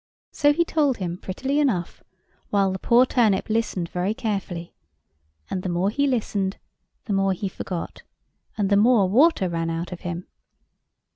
So he told him prettily enough, while the poor turnip listened very carefully; and the more he listened, the more he forgot, and the more water ran out of him.